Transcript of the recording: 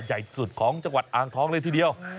ใหญ่สุดของจังหวัดอ่างทองเลยทีเดียว